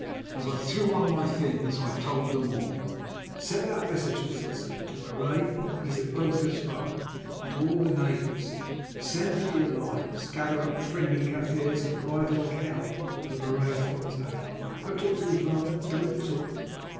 As I threw on my things I told them all. "Send out messengers," I said, "to Marais—he is at Botha's farm—and to all the neighbours. Send, for your lives; gather up the friendly Kaffirs and ride like hell for Maraisfontein. Don't talk to me, father; don't talk!